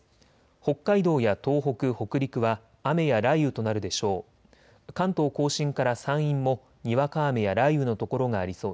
北海道や東北、北陸は雨や雷雨となるでしょう。